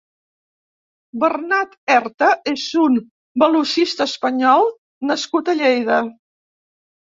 Bernat Erta és un velocista español nascut a Lleida.